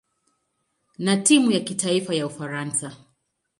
na timu ya kitaifa ya Ufaransa.